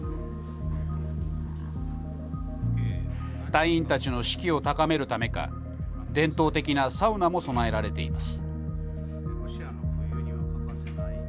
隊員たちの士気を高めるためか、伝統的なサウナも備えられています。